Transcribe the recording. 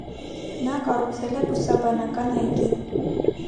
Նա կառուցել է բուսաբանական այգի։